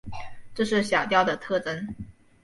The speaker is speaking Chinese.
这是小调的特征。